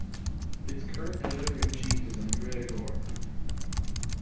Its current editor-in-chief is Andrea Gore.